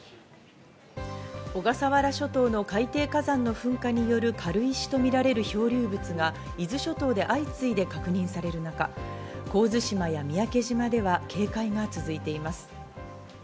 小笠原諸島の海底火山の噴火による軽石とみられる漂流物が伊豆諸島で相次いで確認される中、神津島や三宅島では警戒が続いています。